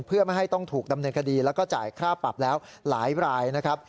เพื่อไม่ให้ต้องถูกดำเนินคดีแล้วก็จ่ายค่าปรับแล้วหลายรายนะครับ